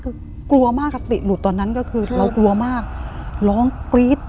คือกลัวมากกับติหลุดตอนนั้นก็คือเรากลัวมากร้องกรี๊ด